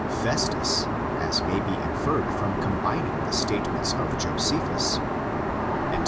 Festus, as may be inferred by com bining the statements of Josephus (Ant.